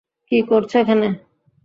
কী করছ এখানে?